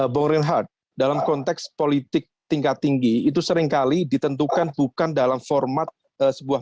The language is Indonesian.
bung reinhardt dalam konteks politik tingkat tinggi itu seringkali ditentukan bukan dalam format sebuah